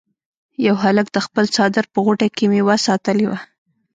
یو هلک د خپل څادر په غوټه کې میوه ساتلې وه.